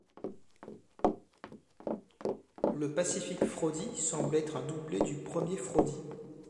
Le pacifique Fróði semble être un doublet du premier Fróði.